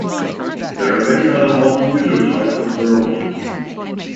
There are many other more unusual types of barometer.